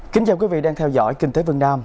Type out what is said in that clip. kính chào quý vị đang theo dõi kinh tế vương nam